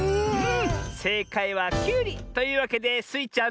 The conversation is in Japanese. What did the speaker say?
せいかいはきゅうり！というわけでスイちゃん